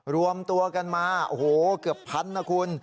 รวมตัวกันมาโอ้โหเกือบพันนะคุณ